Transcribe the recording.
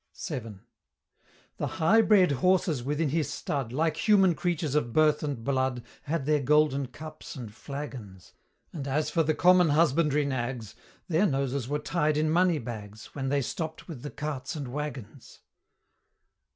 VII. The high bred horses within his stud, Like human creatures of birth and blood, Had their Golden Cups and flagons: And as for the common husbandry nags, Their noses were tied in money bags, When they stopp'd with the carts and wagons.